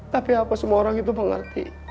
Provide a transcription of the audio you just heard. tapi apa semua orang itu mengerti